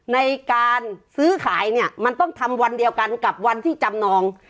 ในการซื้อขายเนี่ยมันต้องทำวันเดียวกันกับวันที่จำนอง